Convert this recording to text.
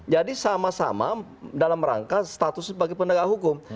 jadi sama sama dalam rangka status sebagai penegak hukum